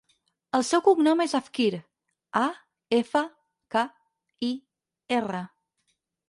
El seu cognom és Afkir: a, efa, ca, i, erra.